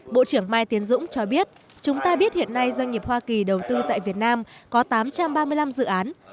bộ trưởng mai tiến dũng cho biết chúng ta biết hiện nay doanh nghiệp hoa kỳ đầu tư tại việt nam có tám trăm ba mươi năm dự án